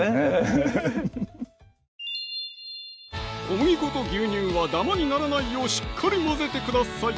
小麦粉と牛乳はダマにならないようしっかり混ぜてください